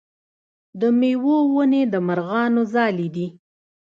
د میوو ونې د مرغانو ځالې دي.